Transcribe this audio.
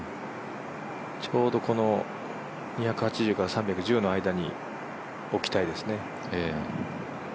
ちょうどこの２８０３１０の間に置きたいですね。